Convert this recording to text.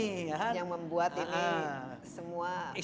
nah itu yang membuat ini semua langgeng